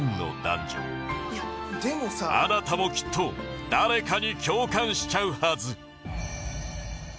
あなたもきっと誰かに共感しちゃうはず